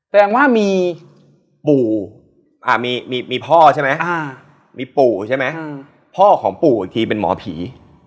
แปลงว่ามีปู่มีพ่อใช่ไหมพ่อของปู่อีกทีเป็นหมอผี